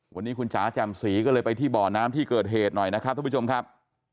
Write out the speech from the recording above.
วันนี้คุณจ๋าแจ่มสีก็เลยไปที่บ่อน้ำที่เกิดเหตุหน่อยนะครับทุกผู้ชมครับ